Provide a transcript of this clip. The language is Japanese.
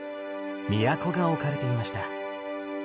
京が置かれていました。